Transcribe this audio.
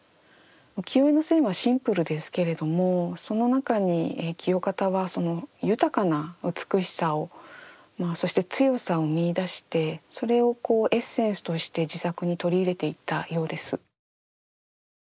浮世絵の線はシンプルですけれどもその中に清方はその豊かな美しさをそして強さを見いだしてそれをエッセンスとして自作に取り入れていったようです。